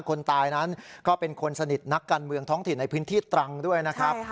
คนตายนั้นก็เป็นคนสนิทนักการเมืองท้องถิ่นในพื้นที่ตรังด้วยนะครับ